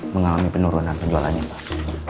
mengalami penurunan penjualannya pak